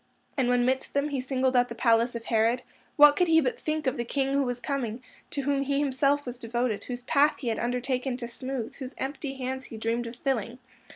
And when midst them he singled out the palace of Herod, what could he but think of the King Who Was Coming, to whom he was himself devoted, whose path he had undertaken to smooth, whose empty hands he dreamed of filling?